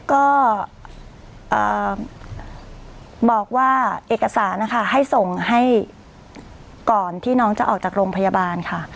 ก็บอกว่าเอกสารนะคะให้ส่งให้ก่อนที่น้องจะออกจากโรงพยาบาลค่ะ